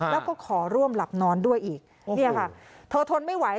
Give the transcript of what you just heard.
แล้วก็ขอร่วมหลับนอนด้วยอีกเนี่ยค่ะเธอทนไม่ไหว